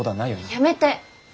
やめて。